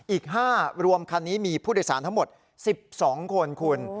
อีก๕รวมคันนี้มีผู้โดยสารทั้งหมด๑๒คนคุณ